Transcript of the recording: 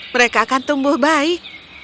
mereka akan tumbuh baik